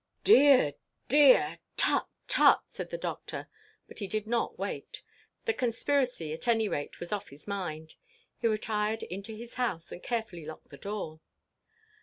"Dear, dear! Tut, tut!" said the Doctor; but he did not wait. The conspiracy at any rate was off his mind. He retired into his house, and carefully locked the door.